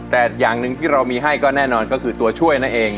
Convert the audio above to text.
แต่อย่างหนึ่งที่เรามีให้ก็แน่นอนก็คือตัวช่วยนั่นเอง